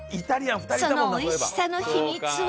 その美味しさの秘密は